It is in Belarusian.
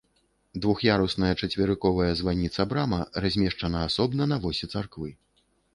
Двух'ярусная чацверыковая званіца-брама размешчана асобна на восі царквы.